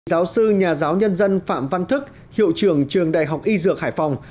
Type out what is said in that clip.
giáo sư nhà giáo nhân dân phạm văn thức hiệu trưởng trường đại học y dược hải phòng